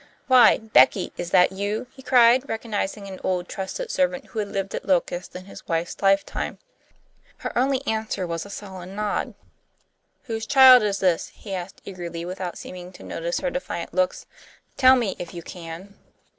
"Why, Becky, is that you?" he cried, recognizing an old, trusted servant who had lived at Locust in his wife's lifetime. Her only answer was a sullen nod. "Whose child is this?" he asked, eagerly, without seeming to notice her defiant looks. "Tell me if you can."